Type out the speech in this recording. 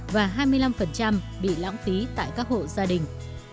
và hai mươi năm bị lãng phí tại các hộ gia đình